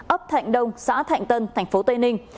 ấp thạnh đông xã thạnh tân thành phố tây ninh